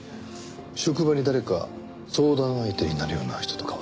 職場に誰か相談相手になるような人とかは？